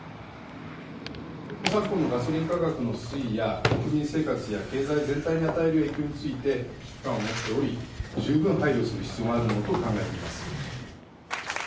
昨今のガソリン価格の推移や、国民生活や経済全体に与える影響について、危機感を持っており、十分配慮する必要があるものと考えています。